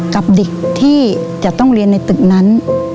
กับเด็กที่จะต้องเรียนในตึกนั้น